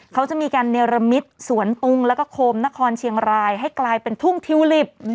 เขาจะมีการเนรมิตสวนตุงแล้วก็โคมนครเชียงรายให้กลายเป็นทุ่งทิวลิป